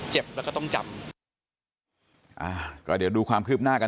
เจ็บแล้วก็ต้องจำ